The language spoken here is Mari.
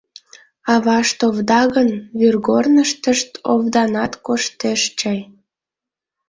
Авашт овда гын, вӱргорныштышт овданат коштеш чай.